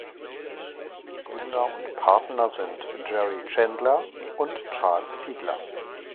Mitgründer und Partner sind Jerry Chandler und Charles Fiedler.